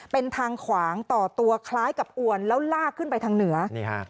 เป็นทางขวางต่อตัวคล้ายกับอวนแล้วลากขึ้นไปทางเหนือนี่ฮะ